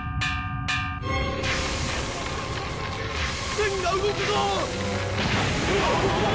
栓が動くぞ！